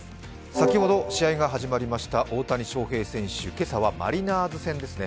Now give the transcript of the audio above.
先ほど試合が始まりました大谷翔平選手、今朝はマリナーズ戦ですね。